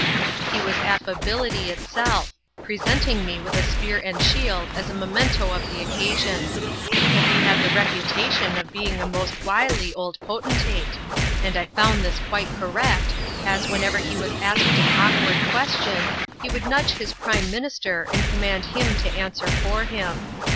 He was affability itself, presenting me with a spear and shield as a memento of the occasion; but he had the reputation of being a most wily old potentate, and I found this quite correct, as whenever he was asked an awkward question, he would nudge his Prime Minister and command him to answer for him.